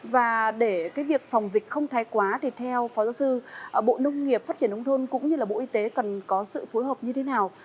và để cái việc phòng dịch không thay quá thì theo phó giáo sư bộ nông nghiệp phát triển nông thôn cũng như là bộ y tế cần có sự phối hợp như thế nào